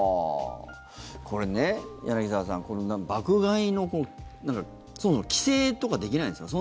これ、柳澤さん爆買いのそもそも規制とかできないんですか？